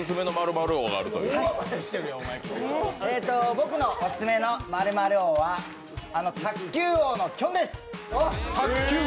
僕のオススメの○○王は卓球王のきょんです。